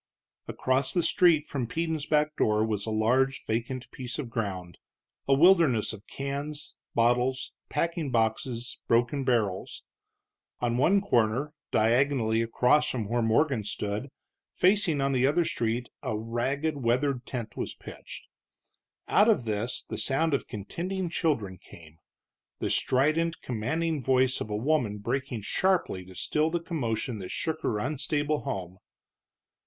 Across the street from Peden's back door was a large vacant piece of ground, a wilderness of cans, bottles, packing boxes, broken barrels. On one corner, diagonally across from where Morgan stood, facing on the other street, a ragged, weathered tent was pitched. Out of this the sound of contending children came, the strident, commanding voice of a woman breaking sharply to still the commotion that shook her unstable home.